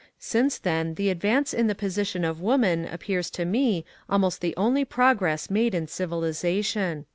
Since then the advance in the position of woman appears to me almost the only progress made in civilization.